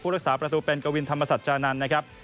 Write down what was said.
รักษาประตูเป็นกวินธรรมสัจจานันทร์นะครับ